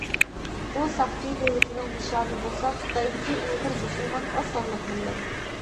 بۇ ساقچى دۆلىتىنىڭ نىشانى بولسا خىتايدىكى ئۇيغۇر مۇسۇلمان ئاز سانلىق مىللەت.